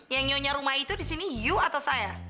yang nyonya rumah itu disini you atau saya